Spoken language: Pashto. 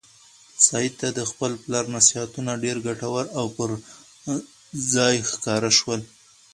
سعید ته د خپل پلار نصیحتونه ډېر ګټور او پر ځای ښکاره شول.